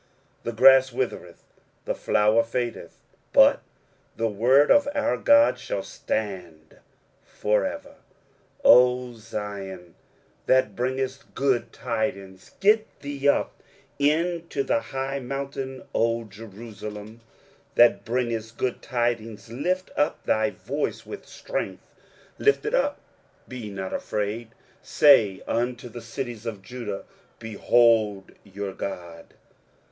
23:040:008 The grass withereth, the flower fadeth: but the word of our God shall stand for ever. 23:040:009 O Zion, that bringest good tidings, get thee up into the high mountain; O Jerusalem, that bringest good tidings, lift up thy voice with strength; lift it up, be not afraid; say unto the cities of Judah, Behold your God!